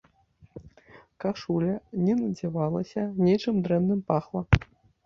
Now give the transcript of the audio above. Кашуля не надзявалася, нечым дрэнным пахла.